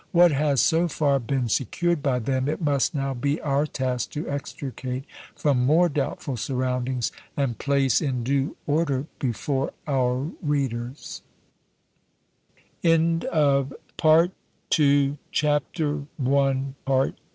What has so far been secured by them it must now be our task to extricate from more doubtful surroundings and place in due order before our readers. FOOTNOTES: [Footnote 347: Wolf, _Gesch.